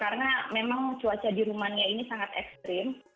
karena memang cuaca di rumania ini sangat ekstrim